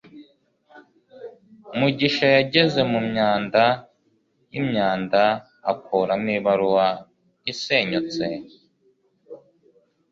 mugisha yageze mumyanda yimyanda akuramo ibaruwa isenyutse